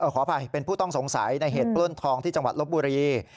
ขออภัยเป็นผู้ต้องสงสัยในเหตุปล้นทองที่จังหวัดลบบุรี